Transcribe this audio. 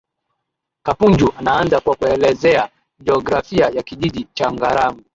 Kapunju anaanza kwa kuelezea jiografia ya Kijiji cha Ngarambi